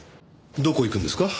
どこへ行くんですか？